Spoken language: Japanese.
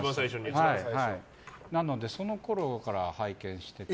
なので、そのころから拝見してて。